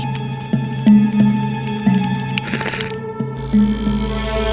jadi aku akan memperbaiki rumahmu